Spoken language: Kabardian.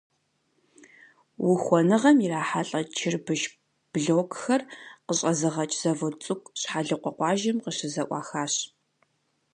Ухуэныгъэм ирахьэлӏэ чырбыш блокхэр къыщӏэзыгъэкӏ завод цӏыкӏу Щхьэлыкъуэ къуажэм къыщызэӏуахащ.